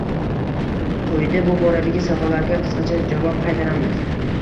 Quyida bu boradagi savollarga qisqacha javob qaytaramiz.